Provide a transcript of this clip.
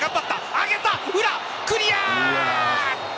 上げた、裏、クリア。